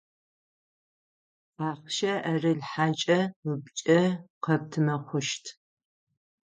Ахъщэ ӏэрылъхьэкӏэ ыпкӏэ къэптымэ хъущт.